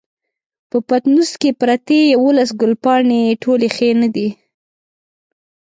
په پټنوس کې پرتې يوولس ګلپيانې ټولې ښې نه دي.